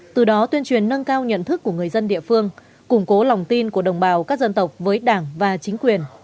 từ đó tuyên truyền nâng cao nhận thức của người dân địa phương củng cố lòng tin của đồng bào các dân tộc với đảng và chính quyền